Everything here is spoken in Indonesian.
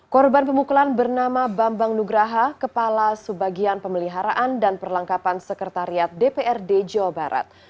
korban pemukulan bernama bambang nugraha kepala subagian pemeliharaan dan perlengkapan sekretariat dprd jawa barat